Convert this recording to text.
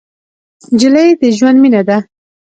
نجلۍ د ژوند مینه ده.